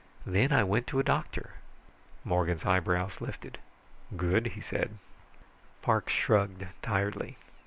Then I went to a doctor." Morgan's eyebrows lifted. "Good," he said. Parks shrugged tiredly.